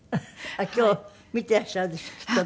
今日見ていらっしゃるでしょきっとね。